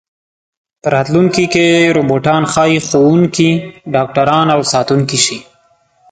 په راتلونکي کې روباټان ښايي ښوونکي، ډاکټران او ساتونکي شي.